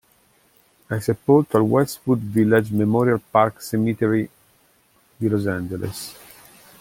È sepolto al Westwood Village Memorial Park Cemetery di Los Angeles.